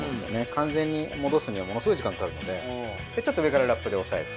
完全に戻すにはものすごい時間がかかるのでちょっと上からラップで押さえて。